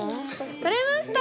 取れました！